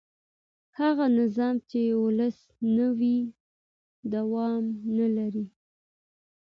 هغه نظام چې ولسي نه وي دوام نه لري